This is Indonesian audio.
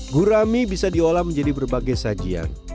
gurami bisa diolah menjadi berbagai sajian